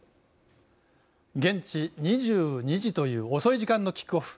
現地２２時という遅い時間のキックオフ。